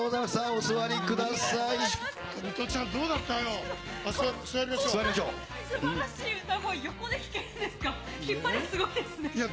お座りください。